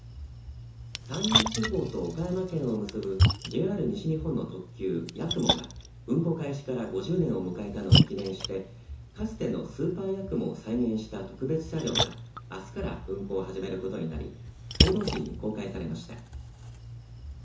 山陰地方と岡山県を結ぶＪＲ西日本の特急やくもが運行開始から５０年を迎えたのを記念してかつてのスーパーやくもを再現した特別車両があすから運行を始めることになり報道陣に公開されました。